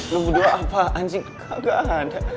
lo berdua apa anjing gak ada